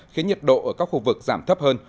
khiến nhiệt độ ở các khu vực giảm thấp hơn